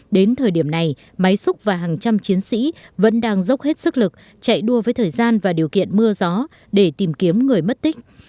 đến thời điểm này máy xúc và hàng trăm chiến sĩ vẫn đang dốc hết sức lực chạy đua với thời gian và điều kiện mưa gió để tìm kiếm người mất tích